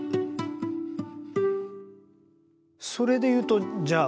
それで言うとじゃあ。